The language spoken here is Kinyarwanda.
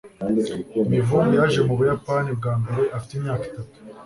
Mivumbi yaje mu Buyapani bwa mbere afite imyaka itatu.